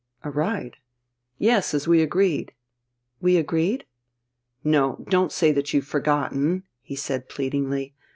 "A ride?" "Yes, as we agreed." "We agreed?" "No, don't say that you've forgotten!" he said pleadingly.